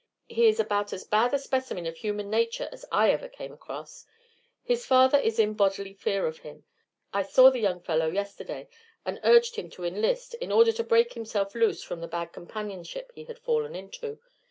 He is about as bad a specimen of human nature as I ever came across. His father is in bodily fear of him. I saw the young fellow yesterday, and urged him to enlist, in order to break himself loose from the bad companionship he had fallen into.